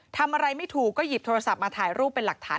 ทำอะไรไม่ถูกก็หยิบโทรศัพท์มาถ่ายรูปเป็นหลักฐาน